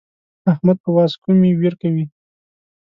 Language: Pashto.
احمد په واز کومې وير کوي.